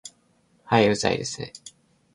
はい、うざいですね